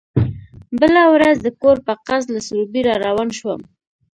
بله ورځ د کور په قصد له سروبي را روان شوم.